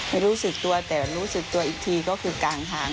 ไม่รู้สึกตัวแต่รู้สึกตัวอีกทีก็คือกลางทาง